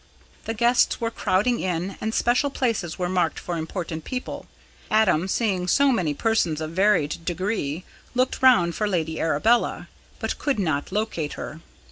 The guests were crowding in, and special places were marked for important people. Adam, seeing so many persons of varied degree, looked round for Lady Arabella, but could not locate her.